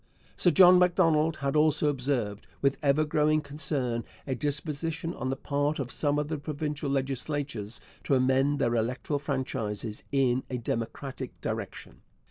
Sir John Macdonald had also observed, with ever growing concern, a disposition on the part of some of the provincial legislatures to amend their electoral franchises in a democratic direction.